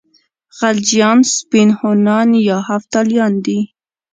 خلجیان سپین هونان یا هفتالیان دي.